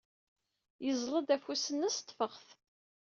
Yeẓẓel-d afus-nnes, ḍḍfeɣ-t.